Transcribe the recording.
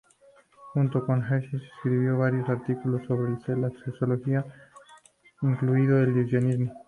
Junto con Hirschfeld escribió varios artículos sobre la sexología, incluido el lesbianismo.